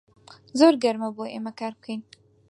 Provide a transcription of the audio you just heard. زۆر گەرمە بۆ ئێمە کار بکەین.